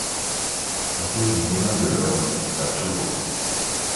Rue du Moulin de l'Aure à Toulaud